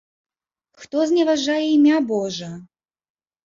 Хто зневажае імя божа?